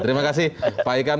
terima kasih pak ikan